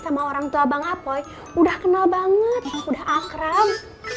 sama orang tua bang apoy udah kenal banget udah akrab